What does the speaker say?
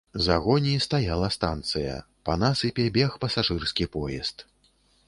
За гоні стаяла станцыя, па насыпе бег пасажырскі поезд.